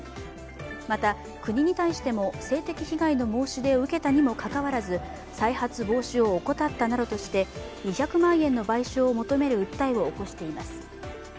また、国に対しても性的被害の申し出を受けたにもかかわらず再発防止を怠ったなどとして２００万円の賠償を求める訴えを起こしています。